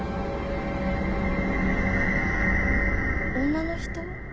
女の人？